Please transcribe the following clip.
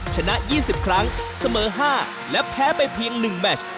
ชนะ๒๐ครั้งเสมอ๕และแพ้ไปเพียง๑แมช